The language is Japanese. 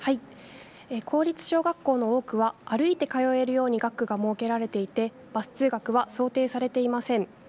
公立小学校の多くは歩いて通えるように学区が設けられていてバス通学は想定されていません。